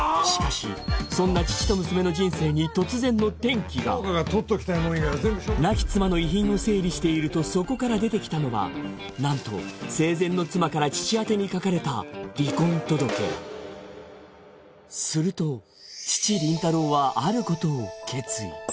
しかしそんな父と娘の人生に突然の転機が亡き妻の遺品を整理しているとそこから出てきたのはなんと生前の妻から父あてに書かれた離婚届すると父林太郎はあることを決意